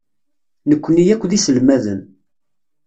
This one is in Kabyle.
Nekkni akk d iselmaden.